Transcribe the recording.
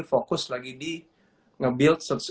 fokus lagi di nge build